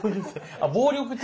あ暴力的。